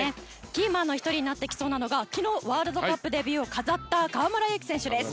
キーマンの１人になってきそうなのが昨日、ワールドカップで優美を飾った川村選手です。